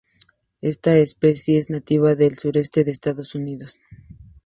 Esta especie es nativa del sureste de Estados Unidos.